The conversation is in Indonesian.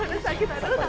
aduh sakit aduh tangan